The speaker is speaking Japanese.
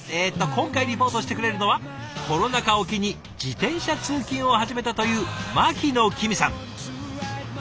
今回リポートしてくれるのはコロナ禍を機に自転車通勤を始めたという牧野葵美さん。